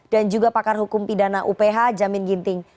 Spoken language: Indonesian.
dan juga pakar hukum pidana uph jamin ginting